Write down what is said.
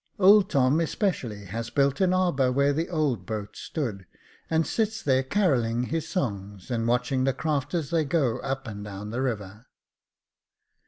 Old Tom, especially, has built an arbour where the old boat stood, and sits there carolling his songs, and watching the craft as they go up and down the river.